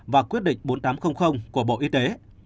và quyết định bốn nghìn tám trăm linh của bộ y tế